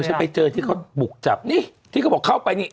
ฉันไปเจอที่เขาบุกจับนี่ที่เขาบอกเข้าไปนี่